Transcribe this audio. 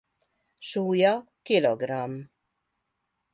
Súlya kilogramm.